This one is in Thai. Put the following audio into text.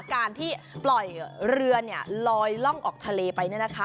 การที่ปล่อยเรือเนี่ยลอยล่องออกทะเลไปเนี่ยนะคะ